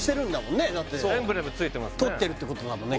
ねとってるってことだもんね